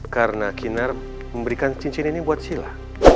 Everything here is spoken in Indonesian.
karena kinar memberikan cincin ini buat sila